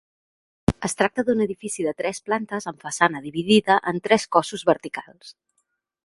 Es tracta d'un edifici de tres plantes amb façana dividida en tres cossos verticals.